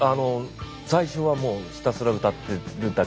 最初はもうひたすら歌ってるだけでした。